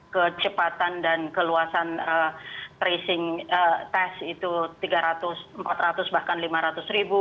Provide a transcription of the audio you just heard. kecepatan dan keluasan tracing test itu tiga ratus empat ratus bahkan lima ratus ribu